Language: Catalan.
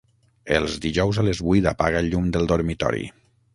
Els dijous a les vuit apaga el llum del dormitori.